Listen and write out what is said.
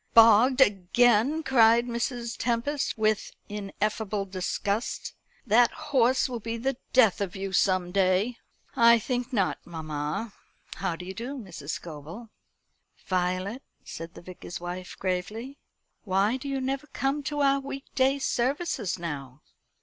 "Bogged again!" cried Mrs. Tempest, with ineffable disgust. "That horse will be the death of you some day." "I think not, mamma. How do you do, Mrs. Scobel?" "Violet," said the Vicar's wife gravely, "why do you never come to our week day services now?"